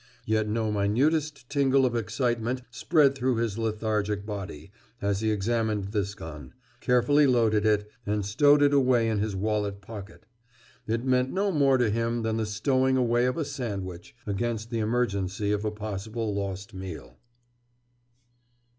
Yet no minutest tingle of excitement spread through his lethargic body as he examined this gun, carefully loaded it, and stowed it away in his wallet pocket. It meant no more to him than the stowing away of a sandwich against the emergency of a possible lost meal.